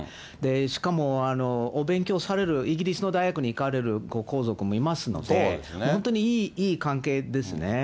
しかもお勉強される、イギリスの大学に行かれる皇族もいますので、本当にいい関係ですね。